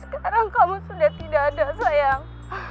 sekarang kamu sudah tidak ada sayang